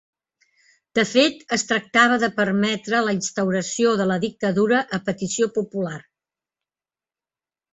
De fet, es tractava de permetre la instauració de la dictadura a petició popular.